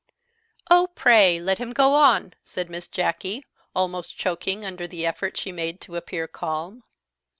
"Oh, pray let him go on," said Miss Jacky, almost choking under the effort she made to appear calm.